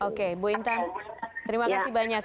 oke bu intan terima kasih banyak